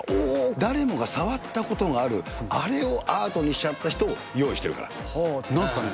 誰もが触ったことがある、あれをアートにしちゃった人を用意してなんすかね。